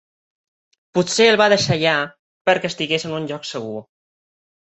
Potser el va deixar allà perquè estigués en un lloc segur.